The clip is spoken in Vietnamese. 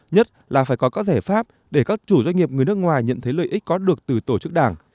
nhất là phải có các giải pháp để các chủ doanh nghiệp người nước ngoài nhận thấy lợi ích có được từ tổ chức đảng